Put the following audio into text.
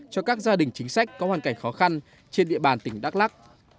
cho các gia đình chính sách có hoàn cảnh khó khăn trên địa bàn tỉnh đắk lắc